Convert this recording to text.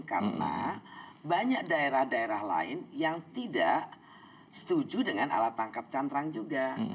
karena banyak daerah daerah lain yang tidak setuju dengan alat tangkap cantrang juga